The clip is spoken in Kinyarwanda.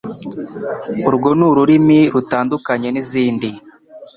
Urwo n'ururimi rutandukanye n'izindi